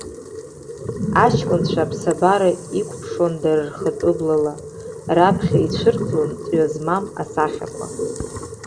Аҷкәынцәа аԥсабара иқәԥшуан дара рхатәы блала, раԥхьа ицәырҵуан ҵҩа змам асахьақәа.